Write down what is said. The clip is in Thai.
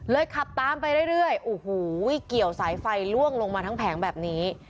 ขับตามไปเรื่อยโอ้โหเกี่ยวสายไฟล่วงลงมาทั้งแผงแบบนี้